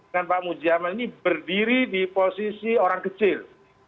dan pak muji aman ini berdiri di posisi orang kecil